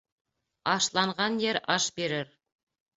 Ашланған ер аш бирер.